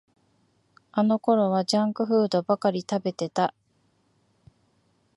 あのころはジャンクフードばかり食べてた